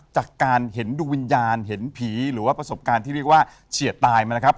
จากการเห็นดวงวิญญาณเห็นผีหรือว่าประสบการณ์ที่เรียกว่าเฉียดตายมานะครับ